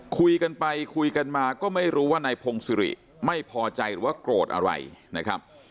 คุยกันไปคุยกันมาก็ไม่รู้ว่านายพงศิริไม่พอใจหรือว่าโกรธอะไรนะครับ